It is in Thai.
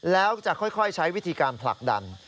แล้วจะค่อยใช้วิธีการผลักดัน